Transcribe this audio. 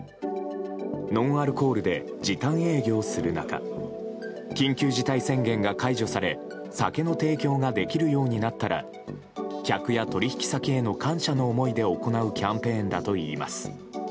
ノンアルコールで時短営業する中緊急事態宣言が解除され酒の提供ができるようになったら客や取引先への感謝の思いで行うキャンペーンだといいます。